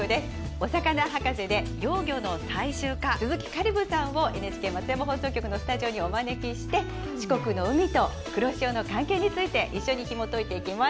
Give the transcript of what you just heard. お魚博士で幼魚の採集家鈴木香里武さんをＮＨＫ松山放送局のスタジオにお招きして四国の海と黒潮の関係について一緒にひもといていきます。